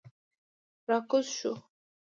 را کوز شوو.